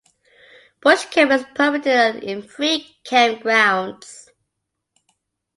Bush camping is permitted in three camp grounds.